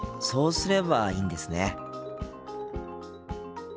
そうすればいいんですね。